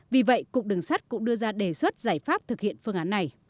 vì vậy cục đường sắt cũng đưa ra đề xuất giải pháp thực hiện phương án này